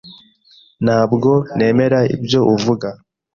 Ntabwo nemera ibyo uvuga.